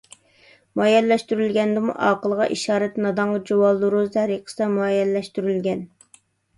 مۇئەييەنلەشتۈرۈلگەندىمۇ ئاقىلغا ئىشارەت نادانغا جۇۋالدۇرۇز تەرىقىسىدە مۇئەييەنلەشتۈرۈلگەن.